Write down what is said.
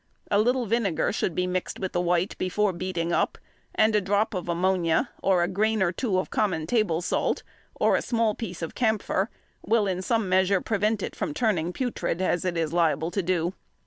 A little vinegar should be mixed with the white before beating up, and a drop of ammonia, or a grain or two of common table salt, or a small piece of camphor, will in some measure prevent it from turning putrid, |120| as it is liable to do.